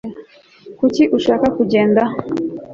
kuki ushaka kugenda